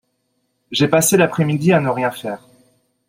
J'ai passé l'après-midi à ne rien faire